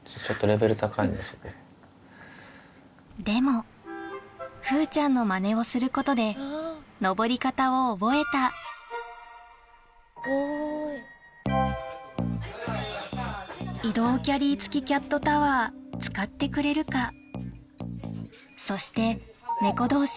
でも風ちゃんのマネをすることで上り方を覚えた移動キャリー付きキャットタワー使ってくれるか？